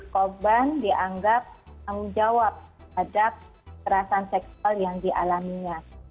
korban dianggap tanggung jawab terhadap kerasan seksual yang dialaminya